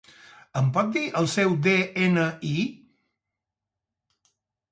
Em pot dir el seu de-ena-i?